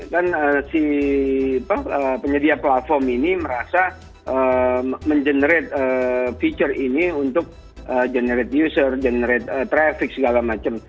kan si penyedia platform ini merasa mengenerate feature ini untuk generate user generate traffic segala macam